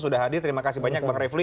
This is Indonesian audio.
sudah hadir terima kasih banyak bang refli